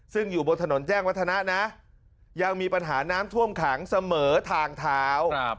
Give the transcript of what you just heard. ซึ่งอยู่บนถนนแจ้งวัฒนะนะยังมีปัญหาน้ำท่วมขังเสมอทางเท้า